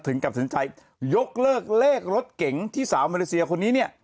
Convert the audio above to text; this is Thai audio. ตัดสินใจยกเลิกเลขรถเก๋งที่สาวมาเลเซียคนนี้เนี่ย